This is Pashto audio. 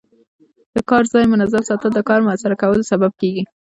د کار ځای منظم ساتل د کار موثره کولو سبب کېږي.